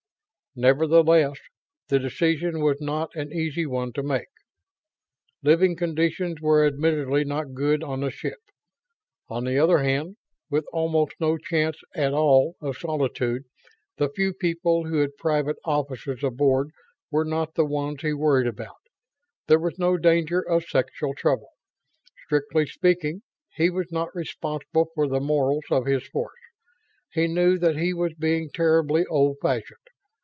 Nevertheless, the decision was not an easy one to make. Living conditions were admittedly not good on the ship. On the other hand, with almost no chance at all of solitude the few people who had private offices aboard were not the ones he worried about there was no danger of sexual trouble. Strictly speaking, he was not responsible for the morals of his force. He knew that he was being terribly old fashioned.